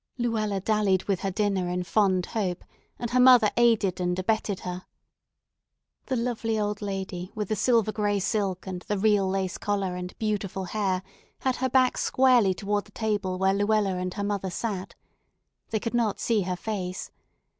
Luella dallied with her dinner in fond hope, and her mother aided and abetted her. The lovely old lady with the silver gray silk and the real lace collar and beautiful hair had her back squarely toward the table where Luella and her mother sat. They could not see her face.